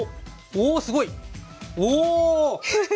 おすごい！